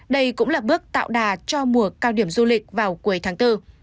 đây cũng là bước tạo đà cho mùa cao điểm du lịch vào cuối tháng bốn